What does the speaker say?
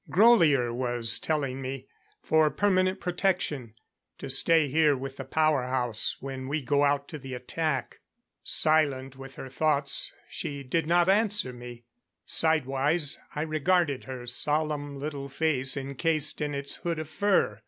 Grolier was telling me, for permanent protection to stay here with the power house when we go out to the attack." Silent with her thoughts she did not answer me. Sidewise, I regarded her solemn little face encased in its hood of fur.